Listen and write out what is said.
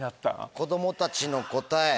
子供たちの答え。